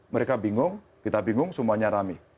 mereka bingung kita bingung semuanya rame